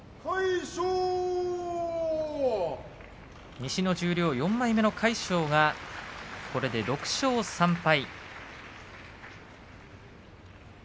西の十両４枚目の魁勝がこれで６勝３敗。